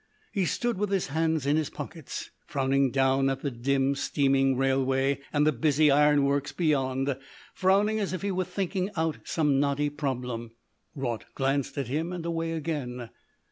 He stood with his hands in his pockets, frowning down at the dim steaming railway and the busy ironworks beyond, frowning as if he were thinking out some knotty problem. Raut glanced at him and away again.